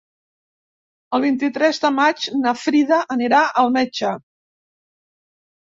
El vint-i-tres de maig na Frida anirà al metge.